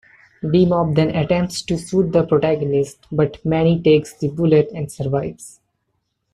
D-Mob then attempts to shoot The Protagonist but Manny takes the bullet and survives.